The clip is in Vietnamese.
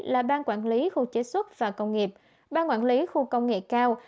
là ban quản lý khu chế xuất và công nghiệp ban quản lý khu công nghệ cao